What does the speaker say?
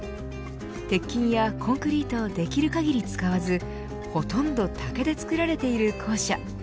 鉄筋やコンクリートをできる限り使わずほとんど竹で作られている校舎。